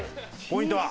ポイントは？